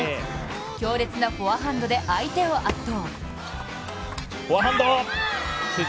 強烈なフォアハンドで相手を圧倒。